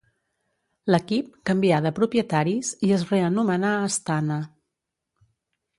L'equip canvià de propietaris i es reanomenà Astana.